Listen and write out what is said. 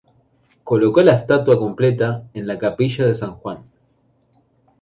Colocó la estatua completa en la capilla de San Juan.